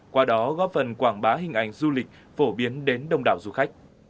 qua đó góp phần quảng bá hình ảnh du lịch phổ biến đến đông đảo du khách